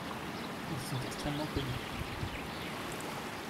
Ils sont extrêmement connus.